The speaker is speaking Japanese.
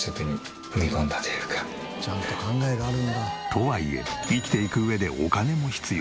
とはいえ生きていく上でお金も必要。